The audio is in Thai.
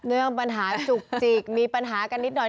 เรื่องปัญหาจุกจิกมีปัญหากันนิดหน่อย